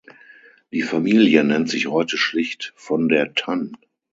Die Familie nennt sich heute schlicht „von der Tann“.